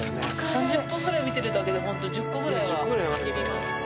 ３０分ぐらい見てるだけでホント１０個ぐらいは普通に見ます